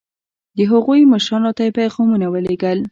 د هغوی مشرانو ته یې پیغامونه ولېږل.